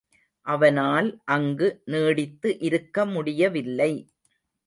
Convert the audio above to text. அவனால் அங்கு நீடித்து இருக்க முடியவில்லை.